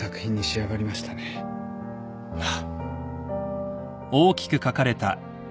ああ。